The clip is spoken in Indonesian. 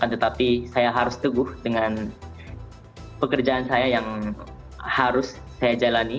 tetapi saya harus teguh dengan pekerjaan saya yang harus saya jalani